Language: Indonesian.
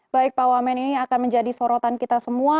baik pak wamen ini akan menjadi sorotan kita semua